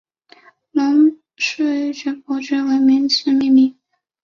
罗氏绶草伯爵的名字命名。